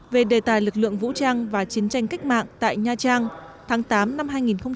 về đề tài lực lượng vũ trang và chiến tranh cách mạng tại nha trang tháng tám năm hai nghìn một mươi chín